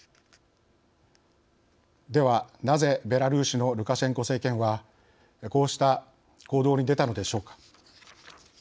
ではなぜベラルーシのルカシェンコ政権はこうした行動に出たのでしょうか。